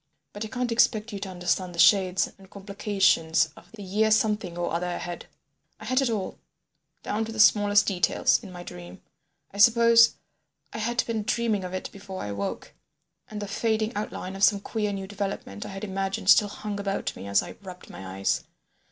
But I can't expect you to understand the shades and complications of the year—the year something or other ahead. I had it all—down to the smallest details—in my dream. I suppose I had been dreaming of it before I awoke, and the fading outline of some queer new development I had imagined still hung about me as I rubbed my eyes.